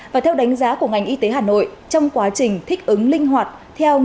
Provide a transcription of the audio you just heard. và theo đánh giá của ngành y tế hà nội trong quá trình thích ứng linh hoạt